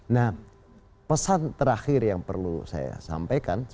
nah pesan terakhir yang perlu saya sampaikan